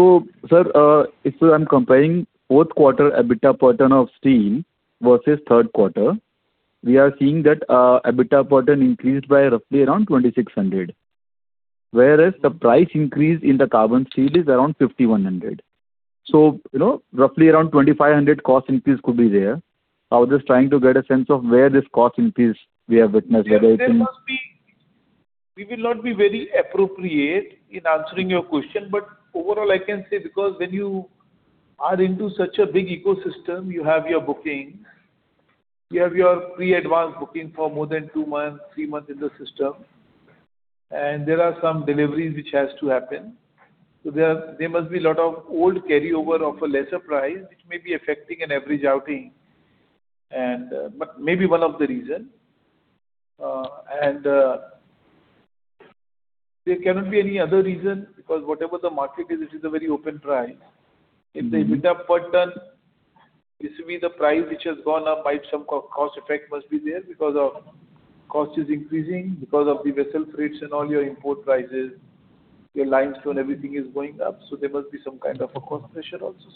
Sir, if I'm comparing fourth quarter EBITDA per ton of steel versus third quarter, we are seeing that EBITDA per ton increased by roughly around 2,600. Whereas the price increase in the carbon steel is around 5,100. You know, roughly around 2,500 cost increase could be there. I was just trying to get a sense of where this cost increase we have witnessed whether it's in. There must be—we will not be very appropriate in answering your question. Overall I can say because when you are into such a big ecosystem, you have your bookings, you have your pre-advanced booking for more than two months, three months in the system, and there are some deliveries which has to happen. There must be a lot of old carryover of a lesser price which may be affecting an average outing and, but may be one of the reason. There cannot be any other reason because whatever the market is, this is a very open price. If the EBITDA per ton is to be the price which has gone up by some co-cost effect must be there because of cost is increasing because of the vessel rates and all your import prices, your limestone, everything is going up. There must be some kind of a cost pressure also.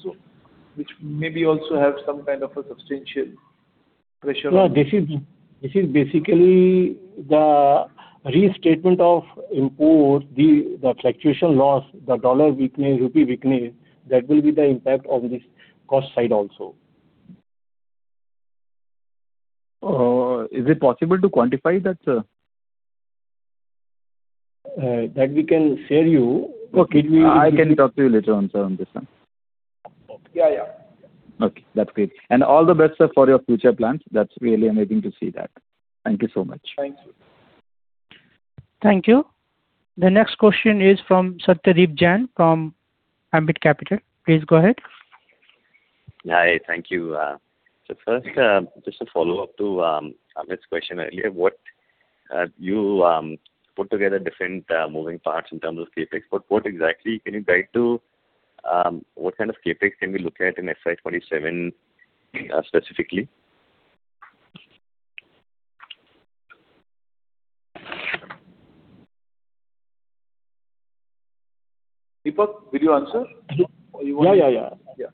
No, this is basically the restatement of import, the fluctuation loss, the dollar weakness, rupee weakness, that will be the impact of this cost side also. Is it possible to quantify that, sir? That we can share you. Okay. It will— I can talk to you later on, sir, on this one. Yeah, yeah. Okay, that's great. All the best, sir, for your future plans. That's really amazing to see that. Thank you so much. Thank you. Thank you. The next question is from Satyadeep Jain from Ambit Capital. Please go ahead. Hi. Thank you. First, just a follow-up to Amit's question earlier. What you put together different moving parts in terms of CapEx, what exactly can you guide to what kind of CapEx can we look at in FY 2027 specifically? Deepak, will you answer? Yeah, yeah, yeah,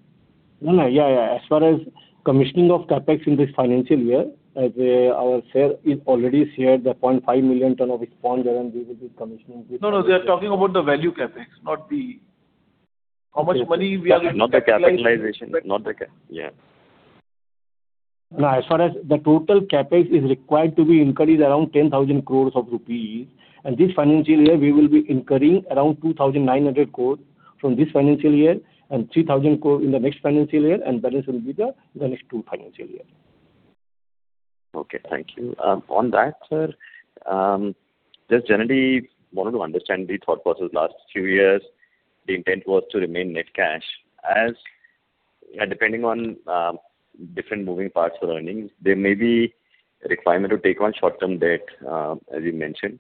no, no. Yeah, yeah. As far as commissioning of CapEx in this financial year, as our share is already shared the 0.5 million tons of expander and we will be commissioning. No, no. They are talking about the value CapEx, not the how much money we are getting capitalized. Not the capitalization. Not the cap. Yeah. As far as the total CapEx is required to be incurred is around 10,000 crore rupees. This financial year we will be incurring around 2,900 crore from this financial year and 3,000 crore in the next financial year, balance will be the next two financial year. Okay, thank you. On that, sir, just generally wanted to understand the thought process last few years. The intent was to remain net cash as, depending on different moving parts of the earnings, there may be a requirement to take on short-term debt, as you mentioned.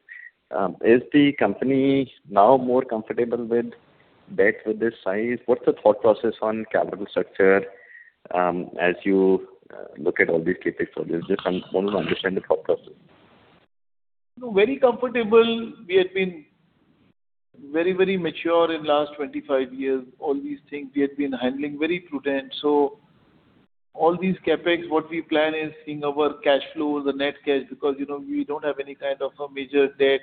Is the company now more comfortable with debt with this size? What's the thought process on capital structure, as you look at all these CapEx? Just wanted to understand the thought process. No, very comfortable. We had been very, very mature in last 25 years. All these things we had been handling very prudent. All these CapEx, what we plan is in our cash flows, the net cash, because, you know, we don't have any kind of a major debt.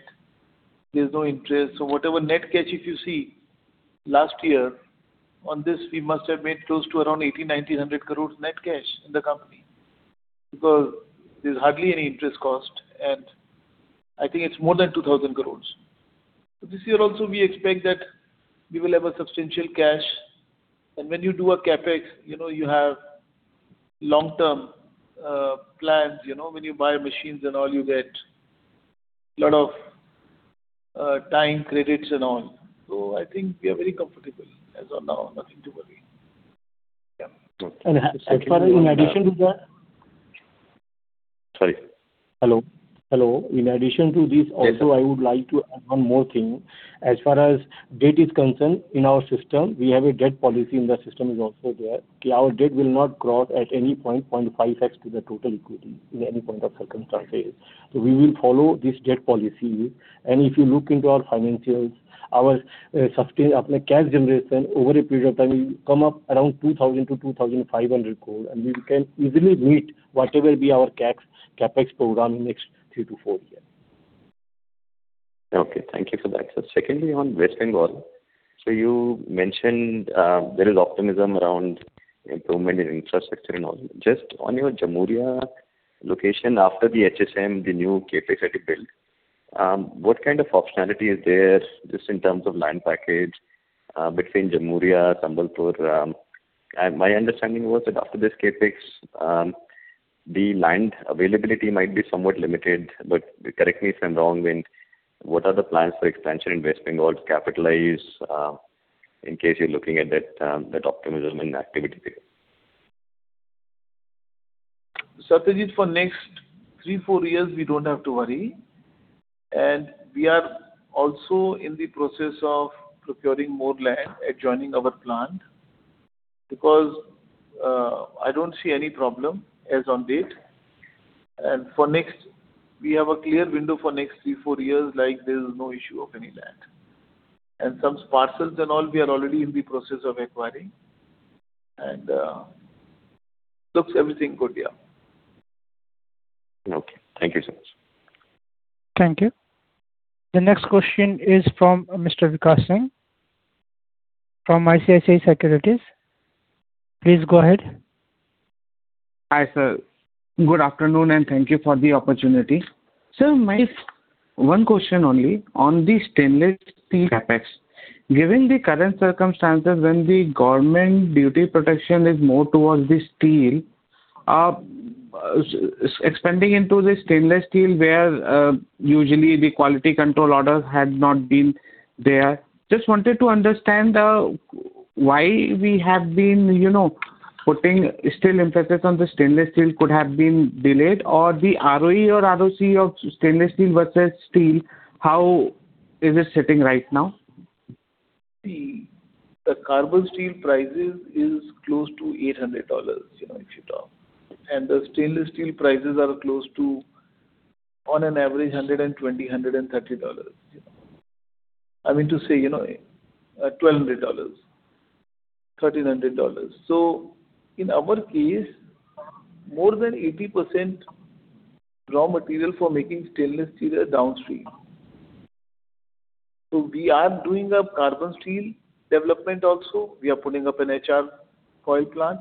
There's no interest. Whatever net cash if you see last year, on this we must have made close to around 80, 90, 100 crores net cash in the company. Because there's hardly any interest cost, and I think it's more than 2,000 crores. This year also we expect that we will have a substantial cash. When you do a CapEx, you know, you have long-term plans, you know. When you buy machines and all, you get lot of time credits and all. I think we are very comfortable as of now. Nothing to worry. Yeah. As far as in addition to that— Sorry. Hello. Hello. In addition to this also, I would like to add one more thing. As far as debt is concerned, in our system, we have a debt policy in the system is also there. Our debt will not cross at any point, 0.5x to the total equity in any point of circumstances. We will follow this debt policy. If you look into our financials, our sustained cash generation over a period of time will come up around 2,000 crore to 2,500 crore, and we can easily meet whatever be our CapEx program in next three to four years. Okay. Thank you for that, sir. Secondly, on West Bengal. You mentioned there is optimism around improvement in infrastructure and all. Just on your Jamuria location after the HSM, the new CapEx that you built, what kind of optionality is there just in terms of land package between Jamuria, Sambalpur? My understanding was that after this CapEx, the land availability might be somewhat limited, but correct me if I'm wrong. What are the plans for expansion in West Bengal to capitalize in case you're looking at that optimism in activity there? Satyadeep, for next three, four years, we don't have to worry. We are also in the process of procuring more land adjoining our plant because I don't see any problem as on date. For next—we have a clear window for next three, four years, like there is no issue of any land. Some parcels and all we are already in the process of acquiring. Looks everything good, yeah. Okay. Thank you so much. Thank you. The next question is from Mr. Vikash Singh from ICICI Securities. Please go ahead. Hi, sir. Good afternoon, and thank you for the opportunity. Sir, my one question only on the stainless steel CapEx. Given the current circumstances when the government duty protection is more towards the steel, expanding into the stainless steel where usually the Quality Control Orders had not been there. Just wanted to understand, you know, why we have been putting still emphasis on the stainless steel could have been delayed or the ROE or ROC of stainless steel versus steel, how is it sitting right now? The carbon steel prices is close to $800, you know, if you talk. The stainless steel prices are close to, on an average, $120, $130. I mean to say, you know, $1,200, $1,300. In our case, more than 80% raw material for making stainless steel are downstream. We are doing a carbon steel development also. We are putting up an HR coil plant,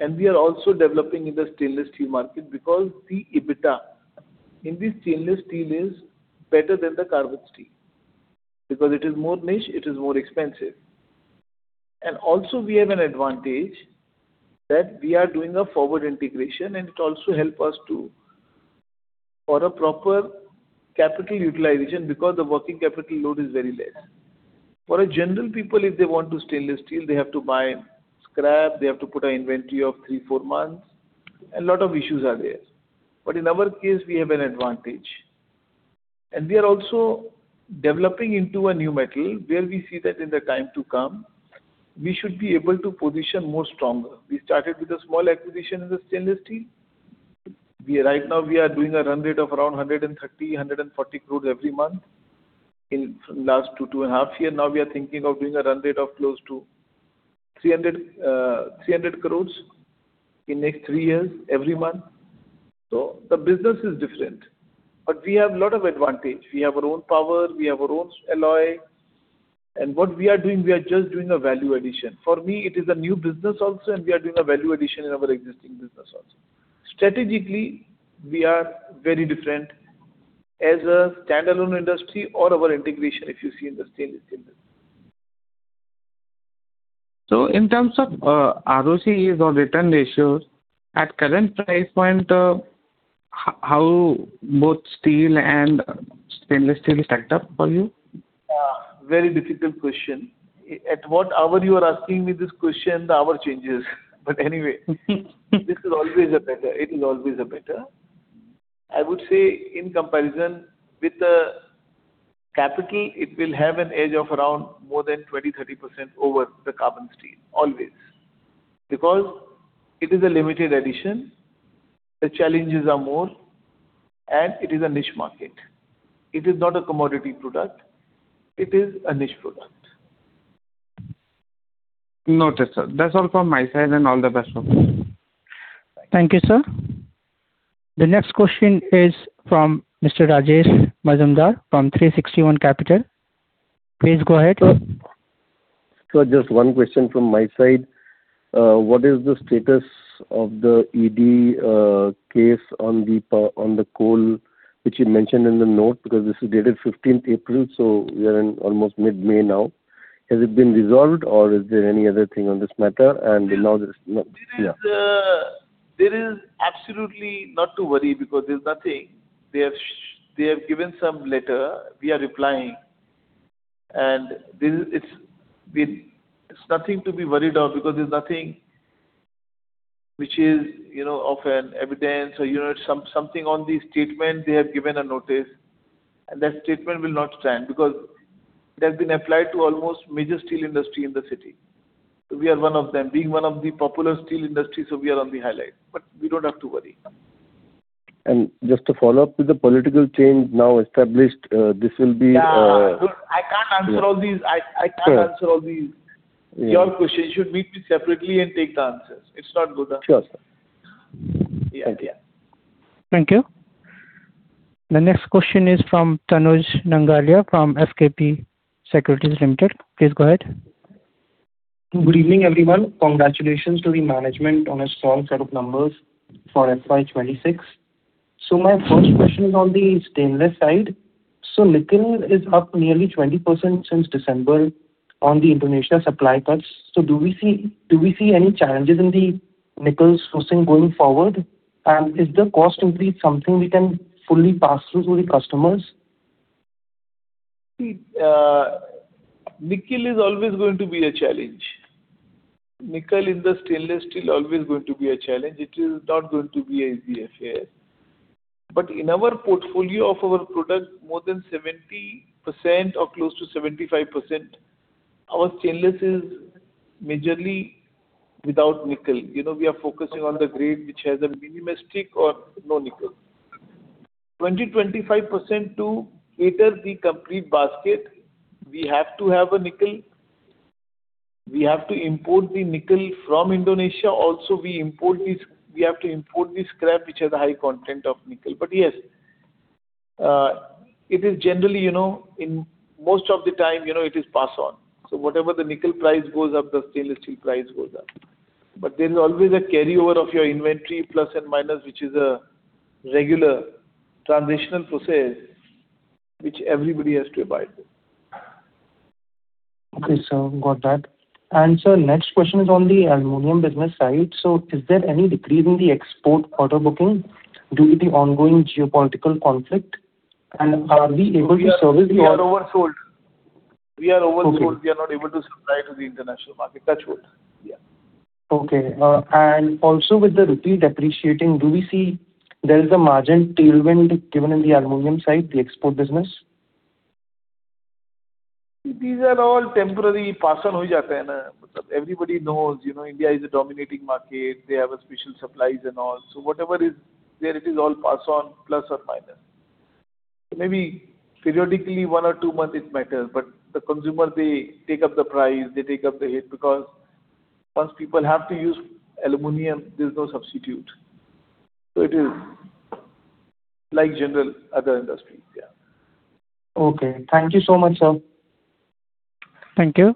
and we are also developing in the stainless steel market because the EBITDA in the stainless steel is better than the carbon steel because it is more niche, it is more expensive. Also we have an advantage that we are doing a forward integration, and it also help us to for a proper capital utilization because the working capital load is very less. For a general people, if they want to stainless steel, they have to buy scrap, they have to put an inventory of three, four months, a lot of issues are there. In our case, we have an advantage. We are also developing into a new metal where we see that in the time to come, we should be able to position more stronger. We started with a small acquisition in the stainless steel. Right now we are doing a run rate of around 130, 140 crores every month in last two and a half years. Now we are thinking of doing a run rate of close to 300 crores in next three years every month. The business is different, but we have lot of advantage. We have our own power, we have our own alloy. What we are doing, we are just doing a value addition. For me, it is a new business also, and we are doing a value addition in our existing business also. Strategically, we are very different as a standalone industry or our integration, if you see in the stainless steel business. In terms of ROCEs or return ratios, at current price point, how both steel and stainless steel stacked up for you? Very difficult question. At what hour you are asking me this question, the hour changes. Anyway, it is always a better. I would say in comparison with the capital, it will have an edge of around more than 20%, 30% over the carbon steel, always. Because it is a limited edition. The challenges are more. And it is a niche market. It is not a commodity product. It is a niche product. Noted, sir. That's all from my side, and all the best for you. Thank you, sir. The next question is from Mr. [Rajesh Majumdar] from 360 ONE Capital. Please go ahead. Sir, just one question from my side. What is the status of the ED case on the coal, which you mentioned in the note because this is dated 15th April, so we are in almost mid-May now. Has it been resolved or is there any other thing on this matter? There is absolutely not to worry because there's nothing. They have given some letter, we are replying. It's nothing to be worried of because there's nothing which is, you know, of an evidence or, you know, something on the statement they have given a notice. That statement will not stand because it has been applied to almost major steel industry in the city. We are one of them. Being one of the popular steel industry, we are on the highlight. We don't have to worry. Just to follow up with the political change now established, this will be. Yeah. Look, I can't answer all these. I can't answer all these, your questions. You should meet me separately and take the answers. It's not good. Sure, sir. Yeah. Thank you. Thank you. The next question is from Tanuj Nangalia from SKP Securities Limited. Please go ahead. Good evening, everyone. Congratulations to the management on a strong set of numbers for FY 2026. My first question is on the stainless side. Nickel is up nearly 20% since December on the international supply cuts. Do we see any challenges in the nickel sourcing going forward? Is the cost increase something we can fully pass through to the customers? See, nickel is always going to be a challenge. Nickel in the stainless steel always going to be a challenge. It is not going to be an easy affair. In our portfolio of our product, more than 70% or close to 75%, our stainless is majorly without nickel. You know, we are focusing on the grade which has a minimalistic or no nickel. 20%, 25% to cater the complete basket, we have to have a nickel. We have to import the nickel from Indonesia. Also we have to import the scrap which has a high content of nickel. Yes, it is generally, you know, in most of the time, you know, it is passed on. Whatever the nickel price goes up, the stainless steel price goes up. There's always a carryover of your inventory plus and minus, which is a regular transitional process which everybody has to abide by. Okay, sir. Got that. Sir, next question is on the aluminum business side. Is there any decrease in the export order booking due to the ongoing geopolitical conflict? Are we able to service the— We are oversold. We are oversold. Okay. We are not able to supply to the international market. That's it. Yeah. Okay. Also with the rupee depreciating, do we see there is a margin tailwind given in the aluminum side, the export business? These are all temporary. Everybody knows, you know, India is a dominating market. They have a special supplies and all. Whatever is there, it is all passed on plus or minus. Maybe periodically one or two months it matters, but the consumer, they take up the price, they take up the hit because once people have to use aluminum, there is no substitute. It is like general other industries, yeah. Okay. Thank you so much, sir. Thank you.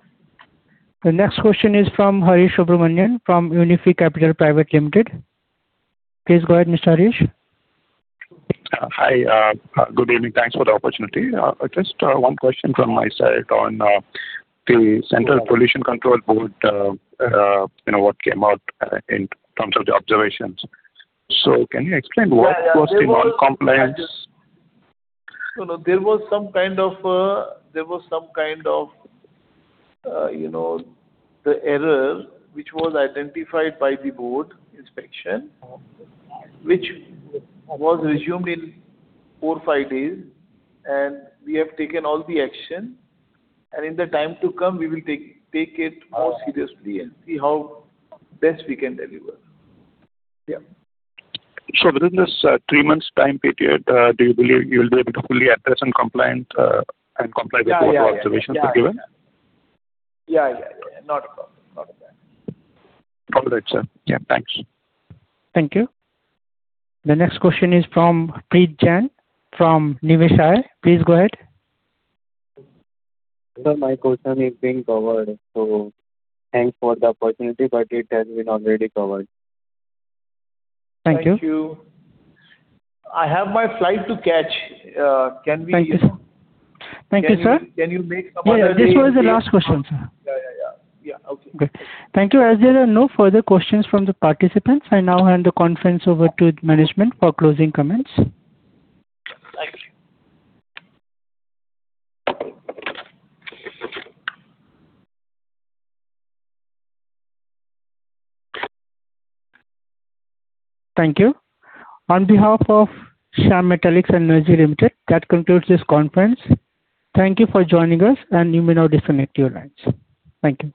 The next question is from [Harshawardhan] from Unifi Capital Private Limited. Please go ahead, Mr. [Harsh]. Hi. Good evening. Thanks for the opportunity. Just one question from my side on the Central Pollution Control Board, you know, what came out in terms of the observations. Can you explain what was the non-compliance? No, no. There was some kind of, you know, the error which was identified by the board inspection, which was resumed in four, five days. We have taken all the action. In the time to come, we will take it more seriously and see how best we can deliver. Yeah. Within this three months time period, do you believe you will be able to fully address and comply with the board observations were given? Yeah. Not a problem. All right, sir. Yeah. Thanks. Thank you. The next question is from Preet Jain from Niveshaay. Please go ahead. Sir, my question is being covered. Thanks for the opportunity, but it has been already covered. Thank you. Thank you. I have my flight to catch. Thank you, sir. Can you make some other way- Yeah, this was the last question, sir. Yeah, yeah. Yeah. Okay. Good. Thank you. As there are no further questions from the participants, I now hand the conference over to management for closing comments. Thank you. On behalf of Shyam Metalics and Energy Limited, that concludes this conference. Thank you for joining us, and you may now disconnect your lines. Thank you.